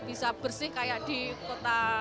bisa bersih kayak di kota